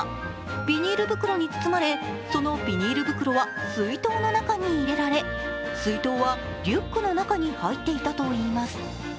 ビニール袋に包まれ、そのビニール袋は水筒の中に入れられ水筒はリュックの中に入っていたといいます。